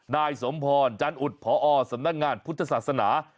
นายสมพรจันอุดพอสำนักงานพุทธศาสนา